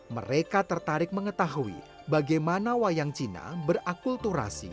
mereka tertarik mengetahui bagaimana wayang cina berakulturasi